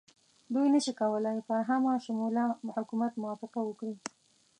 دوی نه شي کولای پر همه شموله حکومت موافقه وکړي.